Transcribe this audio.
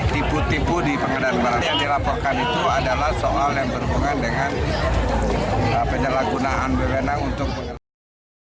tipu tipu di pengadaan barang yang dilaporkan itu adalah soal yang berhubungan dengan penyalahgunaan wewenang untuk mengelola